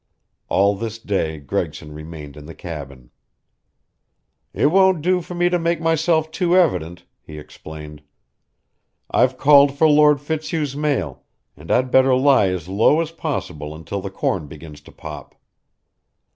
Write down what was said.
All this day Gregson remained in the cabin. "It won't do for me to make myself too evident," he explained. "I've called for Lord Fitzhugh's mail, and I'd better lie as low as possible until the corn begins to pop."